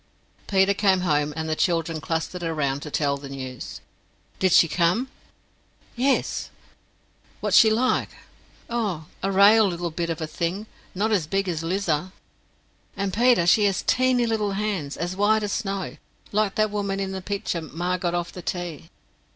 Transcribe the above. Peter came home, and the children clustered around to tell the news. "Did she come?" "Yes." "Wot's she like?" "Oh, a rale little bit of a thing, not as big as Lizer! "And, Peter, she hes teeny little hands, as wite as snow, like that woman in the picter ma got off of the tea."